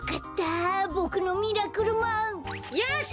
よし！